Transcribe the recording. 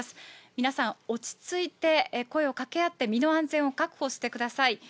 皆さん、落ち着いて声をかけ合って、身の安全を確保してください。